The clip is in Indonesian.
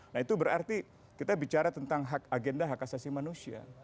nah itu berarti kita bicara tentang hak agenda hak asasi manusia